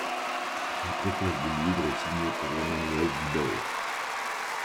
La préface du livre est signée par Emmanuel Guibert.